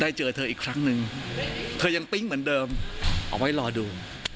เจอเธออีกครั้งหนึ่งเธอยังปิ๊งเหมือนเดิมเอาไว้รอดู